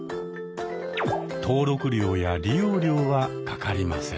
登録料や利用料はかかりません。